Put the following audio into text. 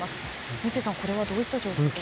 三井さん、これはどういった状況ですか？